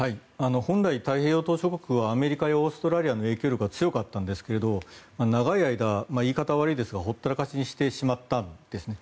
本来、太平洋島しょ国はアメリカやオーストラリアの影響力が強かったんですが長い間言い方悪いですがほったらかしにしてしまったんですね。